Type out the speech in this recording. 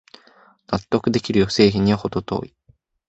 納得できる製品にはほど遠い